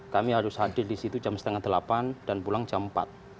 kami harus hadir di situ jam setengah delapan dan pulang jam empat